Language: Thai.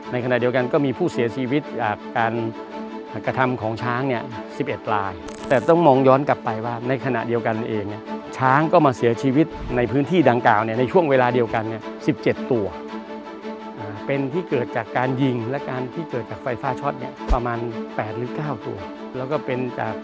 ในขณะเดียวกันก็มีผู้เสียชีวิตจากการกระทำของช้างเนี่ย๑๑รายแต่ต้องมองย้อนกลับไปว่าในขณะเดียวกันเองเนี่ยช้างก็มาเสียชีวิตในพื้นที่ดังกล่าวเนี่ยในช่วงเวลาเดียวกันเนี่ย๑๗ตัวเป็นที่เกิดจากการยิงและการที่เกิดจากไฟฟ้าช็อตเนี่ยประมาณ๘หรือ๙ตัวแล้วก็เป็นจาก